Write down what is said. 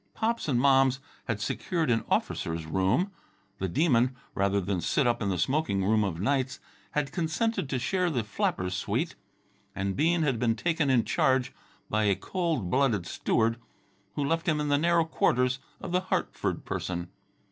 Pops and Moms had secured an officer's room; the Demon, rather than sit up in the smoking room of nights, had consented to share the flapper's suite; and Bean had been taken in charge by a cold blooded steward who left him in the narrow quarters of the Hartford person.